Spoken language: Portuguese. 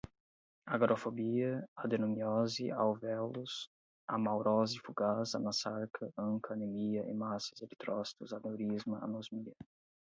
agorafobia, adenomiose, alvéolos, amaurose fugaz, anasarca, anca, anemia, hemácias, eritrócitos, aneurisma, anosmia